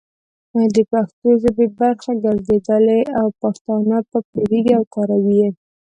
د پښتو ژبې برخه ګرځېدلي دي او پښتانه په پوهيږي او کاروي يې،